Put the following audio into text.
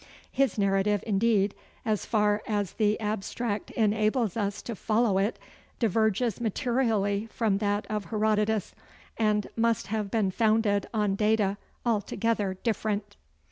His narrative, indeed, as far as the abstract enables us to follow it, diverges materially from that of Herodotus, and must have been founded on data altogether different.